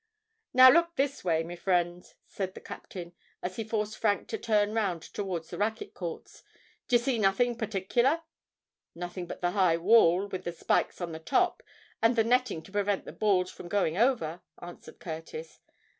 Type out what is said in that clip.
"Now look this way, me frind," cried the captain, as he forced Frank to turn round towards the racquet courts. "D'ye see nothing particular?" "Nothing but the high wall, with the spikes on the top, and the netting to prevent the balls from going over," answered Curtis.